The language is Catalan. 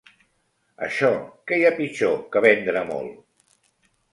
Això, què hi ha pitjor que vendre molt?